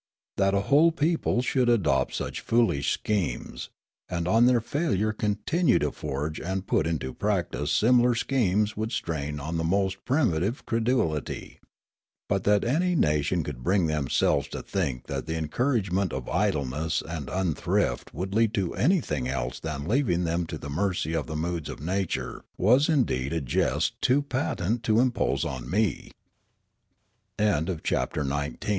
That a whole people should adopt such foolish schemes, and on their failure continue to forge and put into practice similar schemes would strain the most primitive cred ulity. But that any nation could bring themselves to think that the encouragement of idleness and un thrift would lead to anything else than leaving them to the mercy of the moods of Nature was ind